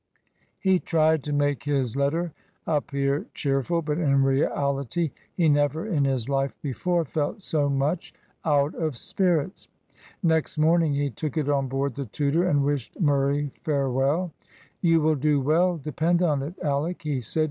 He tried to make his letter appear cheerful, but in reality he never in his life before felt so much out of spirits. Next morning he took it on board the Tudor and wished Murray farewell. "You will do well, depend on it, Alick," he said.